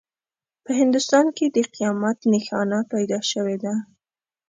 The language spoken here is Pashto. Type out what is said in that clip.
په هندوستان کې د قیامت نښانه پیدا شوې ده.